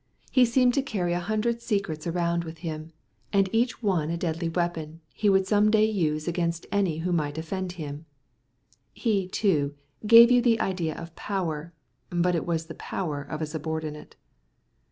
He seemed to carry a hundred secrets around with him, and each one a deadly weapon he would some day use against any who might offend him. He, too, gave you the idea of power, but it was the power of a subordinate.